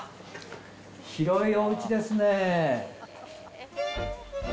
広いおうちですね。